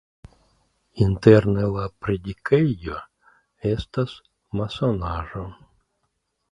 Interne la predikejo estas masonaĵo.